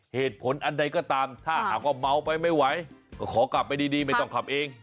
เหตุผลอันใดก็ตามถ้าหากว่าเมาไปไม่ไหวก็ขอกลับไปดีไม่ต้องขับเอง